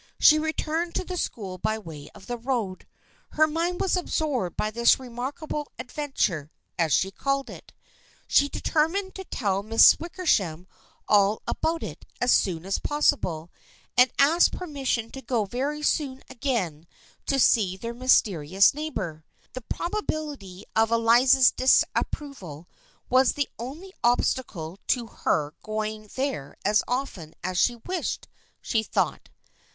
She returned to the school by way of the road. Her mind was absorbed by this remarkable ad venture, as she called it. She determined to tell Miss Wickersham all about it as soon as possible, and ask permission to go very soon again to see their mysterious neighbor. The probability of THE FRIENDSHIP OF ANNE 179 Eliza's disapproval was the only obstacle to her going there as often as she wished, she thought.